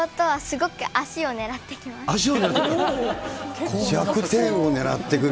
足を狙ってくる？